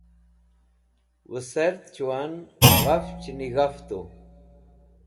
wuserd chuwan ghafch nig̃aftu